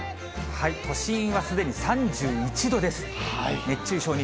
都心はすでに３１度です。